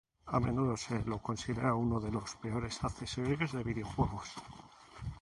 A menudo se lo considera uno de los peores accesorios de videojuegos.